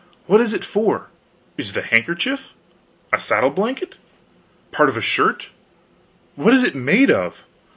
What is it for? Is it a handkerchief? saddle blanket? part of a shirt? What is it made of?